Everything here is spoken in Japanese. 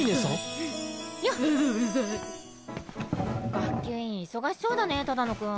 学級委員忙しそうだね只野くん。